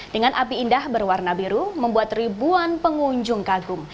dengan api indah berwarna biru membuat ribuan pengunjung kagum